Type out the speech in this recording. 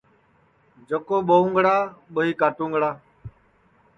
جکو ٻوؤنگڑا ٻُوئی کاٹُونگڑا